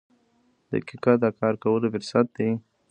• دقیقه د کار کولو فرصت دی.